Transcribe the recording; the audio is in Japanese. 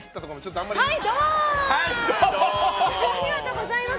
ありがとうございます。